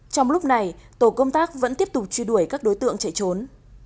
trong lúc này tổ công tác vẫn tiếp tục truy đuổi các đối tượng chạy trốn